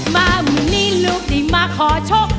มามุมนี้ลูกได้มาขอโชค